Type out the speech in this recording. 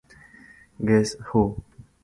Guess Who?